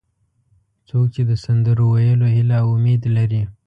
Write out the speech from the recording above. څوک چې د سندرو ویلو هیله او امید لري.